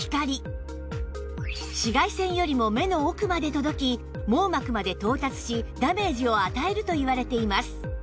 紫外線よりも目の奥まで届き網膜まで到達しダメージを与えるといわれています